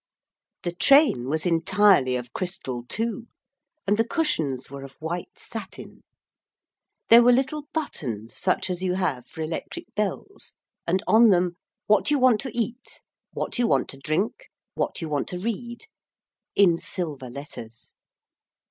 The train was entirely of crystal, too, and the cushions were of white satin. There were little buttons such as you have for electric bells, and on them 'Whatyouwantoeat,' 'Whatyouwantodrink,' 'Whatyouwantoread,' in silver letters.